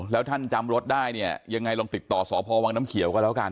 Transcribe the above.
แล้วท่านจำรถได้เนี่ยยังไงลองติดต่อสพวังน้ำเขียวก็แล้วกัน